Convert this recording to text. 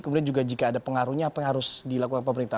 kemudian juga jika ada pengaruhnya apa yang harus dilakukan pemerintah